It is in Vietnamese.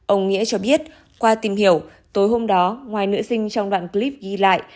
ông nghĩa cho biết qua tìm hiểu tối hôm đó ngoài nữ sinh trong đoạn clip ghi lại